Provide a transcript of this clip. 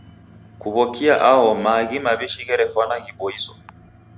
Kuw'okia aho maaghi maw'ishi gherefwana ghiboiso.